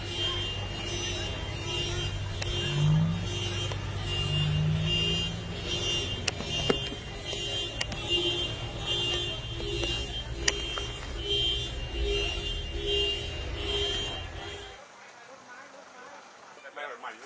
ไม่มันไม่มัน